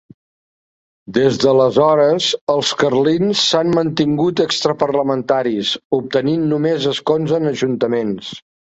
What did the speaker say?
Des d'aleshores, els carlins s'han mantingut extraparlamentaris, obtenint només escons en ajuntaments.